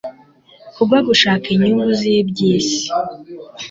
Kubwo gushaka inyungu zibyisi